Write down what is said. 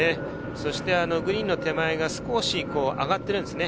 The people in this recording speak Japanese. グリーンの手前が少し上がっているんですね。